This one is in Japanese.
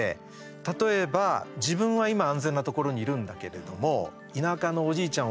例えば自分は今、安全なところにいるんだけれども田舎のおじいちゃん